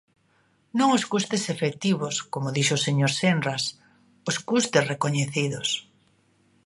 Non os custes efectivos –como dixo o señor Senras–, os custes recoñecidos.